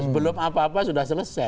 belum apa apa sudah selesai